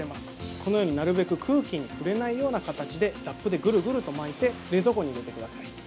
このように、なるべく空気に触れないような形でラップでぐるぐると巻いて冷蔵庫に入れてください。